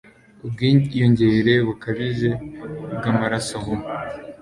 Ubwiyongere bukabije bwamaraso mu